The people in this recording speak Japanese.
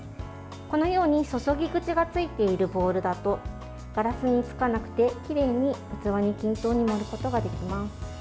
このように注ぎ口がついているボウルだとガラスに付かなくて、きれいに器に均等に盛ることができます。